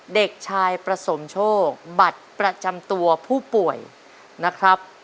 เด็กชายประสมโชคบัตรประจำตัวผู้ป่วยนะครับ